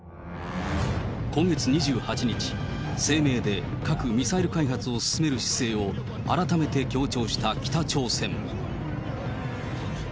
今月２８日、声明で核・ミサイル開発を進める姿勢を改めて強調した北朝鮮。